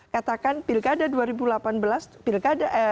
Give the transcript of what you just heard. katakan pilkada dua ribu delapan belas pilkada